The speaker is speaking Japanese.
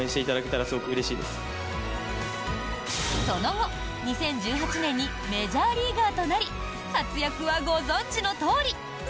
その後、２０１８年にメジャーリーガーとなり活躍はご存じのとおり。